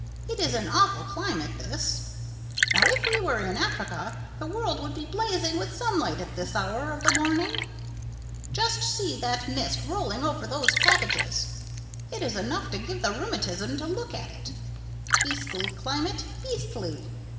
It is an awful climate, this. Now if we were in Africa the world would be blazing with sunlight at this hour of the morning. Just see that mist rolling over those cabbages. It is enough to give you rheumatism to look at it. Beastly climate—Beastly!